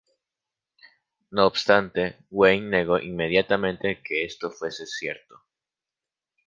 No obstante Wayne negó inmediatamente que esto fuese cierto.